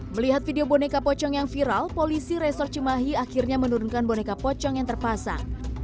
melihat video boneka pocong yang viral polisi resort cimahi akhirnya menurunkan boneka pocong yang terpasang